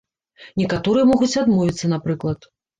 Некаторыя могуць адмовіцца, напрыклад.